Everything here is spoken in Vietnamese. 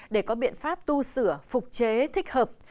để có biện pháp tu sửa phục chế thích hợp